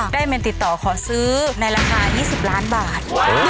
เมนติดต่อขอซื้อในราคา๒๐ล้านบาท